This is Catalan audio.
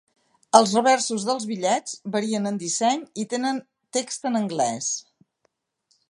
Els reversos dels bitllets varien en disseny i tenen text en anglès.